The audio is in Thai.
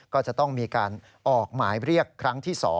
ก็จะต้องมีการออกหมายเรียกครั้งที่๒